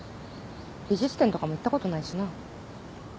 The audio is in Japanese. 美術展とかも行ったことないしな。